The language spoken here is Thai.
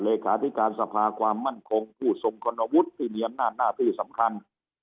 เลขาที่การสภาความมั่นคงผู้ทรงคุณวุฒิด้านต่างที่สำคัญ